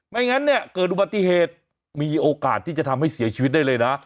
งั้นเนี่ยเกิดอุบัติเหตุมีโอกาสที่จะทำให้เสียชีวิตได้เลยนะ